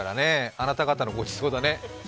あなた方のごちそうだね。